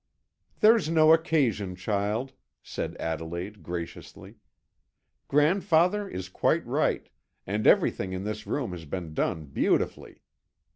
"There's no occasion, child," said Adelaide graciously. "Grandfather is quite right, and everything in this room has been done beautifully."